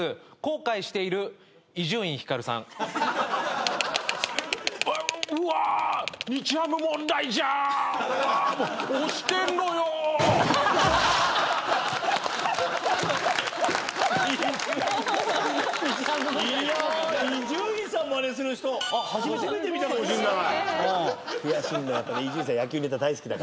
悔しいんだ